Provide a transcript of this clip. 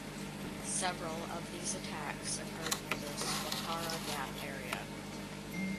Several of these attacks occurred near the Swatara Gap area.